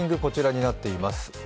こちらになっています。